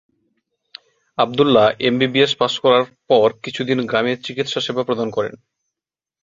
Abdullah MBBS পাশ করার পর কিছুদিন গ্রামে চিকিৎসা সেবা প্রদান করেন।